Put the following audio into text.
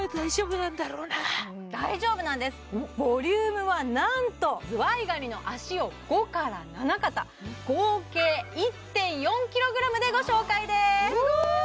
大丈夫なんですボリュームはなんとズワイガニの脚を５から７肩合計１．４ｋｇでご紹介ですすごーい！